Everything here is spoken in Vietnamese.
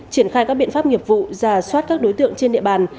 triển khai các biện pháp nghiệp vụ và xoát các đối tượng trên địa bàn